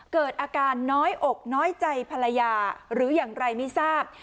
เกิดอาการน้อยอกน้อยใจภรรยาหรืออย่างไรไม่ทราบ